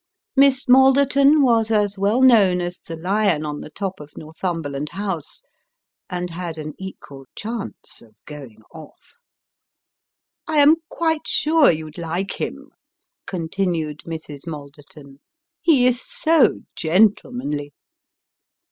Miss Malderton was as well known as the lion on the top of Northumberland House, and had an equal chance of " going off." " I am quite sure you'd like him," continued Mrs. Malderton, " he is so gentlemanly